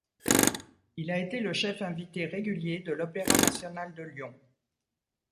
Il a été le chef invité régulier de Opéra National de Lyon.